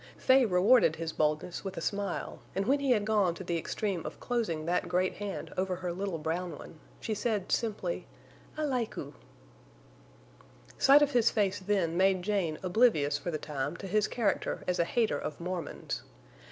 Fay rewarded his boldness with a smile, and when he had gone to the extreme of closing that great hand over her little brown one, she said, simply, "I like oo!" Sight of his face then made Jane oblivious for the time to his character as a hater of Mormons.